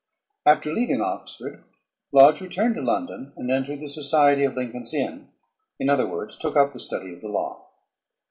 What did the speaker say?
_ After leaving Oxford, Lodge returned to London and entered the Society of Lincoln's Inn, in other words took up the study of the law.